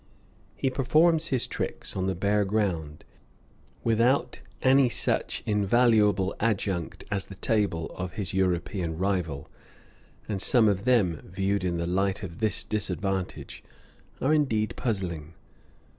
He performs his tricks on the bare ground, without any such invaluable adjunct as the table of his European rival, and some of them, viewed in the light of this disadvantage, are indeed puzzling.